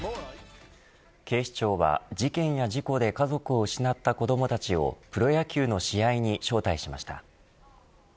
警視庁は事件や事故で家族を失った子どもたちをプロ野球の試合に招待しました。